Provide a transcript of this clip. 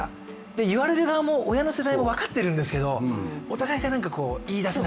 言われる側も親の世代も分かってるんですけどお互いがなんか言い出せない。